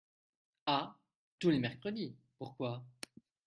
Ah ! tous les mercredis !… pourquoi ?…